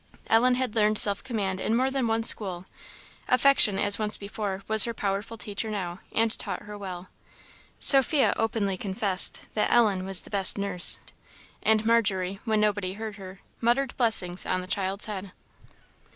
Ellen had learned self command in more than one school; affection, as once before, was her powerful teacher now, and taught her well. Sophia openly confessed that Ellen was the best nurse; and Margery, when nobody heard her, muttered blessings on the child's head.